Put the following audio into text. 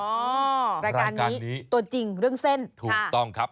เป็นเรื่องอ๋อรายการนี้ตัวจริงเรื่องเส้นค่ะถูกต้องครับ